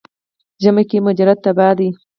ژمي کې مجرد تبا دی.